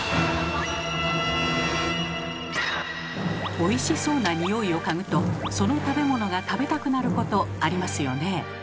おいしそうな匂いを嗅ぐとその食べ物が食べたくなることありますよねえ。